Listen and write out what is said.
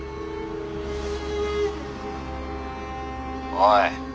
おい。